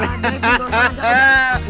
berada ibu bahwa sama jangan marah